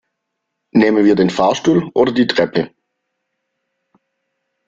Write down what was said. Nehmen wir den Fahrstuhl oder die Treppe?